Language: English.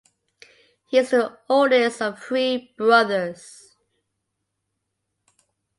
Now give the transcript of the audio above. He is the oldest of three brothers.